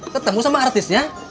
ketemu sama artisnya